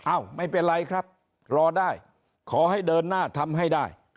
ไม่เป็นไรครับรอได้ขอให้เดินหน้าทำให้ได้